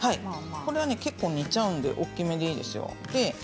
これは結構、煮ちゃうので大きめでいいですよ。